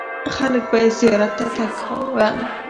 خلک به یې زیارت ته تګ کاوه.